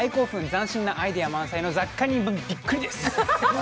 斬新なアイデア満載の雑貨にびっくりです。